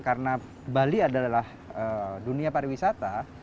karena bali adalah dunia pariwisata